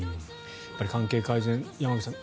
関係改善、山口さん